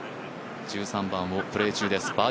１３番をプレー中です